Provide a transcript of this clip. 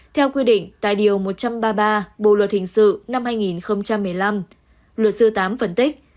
theo quy định tại điều một trăm ba mươi ba bộ luật hình sự năm hai nghìn một mươi năm luật sư tám phân tích